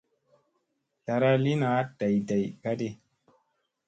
Zlara li naa day day ka ɗi.